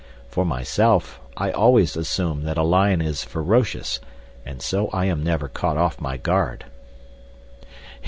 For myself, I always assume that a lion is ferocious, and so I am never caught off my guard."